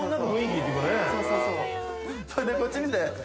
それでこっち見て。